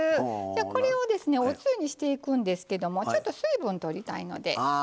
これをですねおつゆにしていくんですけどもちょっと水分取りたいので。